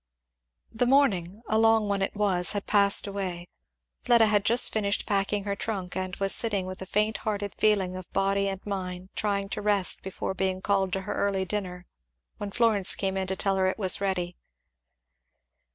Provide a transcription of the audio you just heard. '"] The morning, a long one it was, had passed away; Fleda had just finished packing her trunk, and was sitting with a faint hearted feeling of body and mind, trying to rest before being called to her early dinner, when Florence came to tell her it was ready.